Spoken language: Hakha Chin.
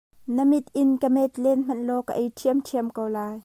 Na mit in ka met len hmanh law ka ei ṭhiamṭhiam ko lai.